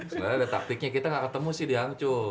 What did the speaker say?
sebenernya ada taktiknya kita gak ketemu sih di hangzhou